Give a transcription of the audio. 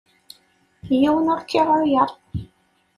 Yiwen ur k-iɛuyer.